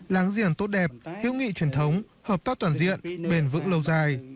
láng giềng tốt đẹp hữu nghị truyền thống hợp tác toàn diện bền vững lâu dài